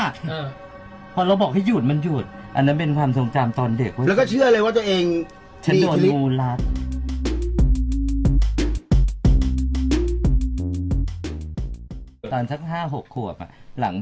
ซ่อมหยุดหยุดโดยไม่มีอะไรกั้ง